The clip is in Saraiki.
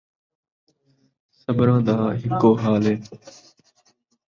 سبھݨاں دا ہکو حال ہے